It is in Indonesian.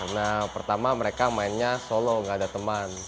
nah pertama mereka mainnya solo gak ada teman